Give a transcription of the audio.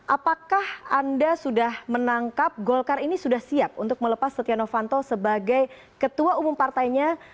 apakah anda sudah menangkap golkar ini sudah siap untuk melepas setia novanto sebagai ketua umum partainya